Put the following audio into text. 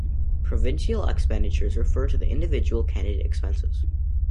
Provincial expenditures refer to individual candidate expenses.